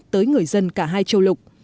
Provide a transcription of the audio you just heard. tới người dân cả hai châu lục